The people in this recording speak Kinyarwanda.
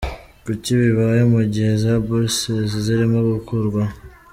Kuki bibaye mu gihe za bourses zirimo gukurwaho?